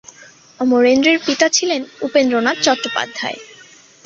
অমরেন্দ্রের পিতা ছিলেন ছিলেন উপেন্দ্রনাথ চট্টোপাধ্যায়।